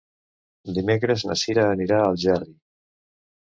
Dimecres na Sira anirà a Algerri.